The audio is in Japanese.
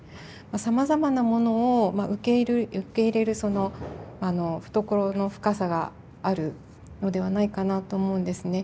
さまざまなものを受け入れる懐の深さがあるのではないかなと思うんですね。